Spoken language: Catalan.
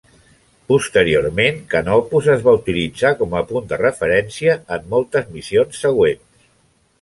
Posteriorment, Canopus es va utilitzar com a punt de referència en moltes missions següents.